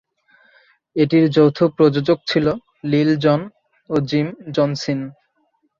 এটির যৌথ প্রযোজক ছিল "লিল জন" ও জিম জনসিন।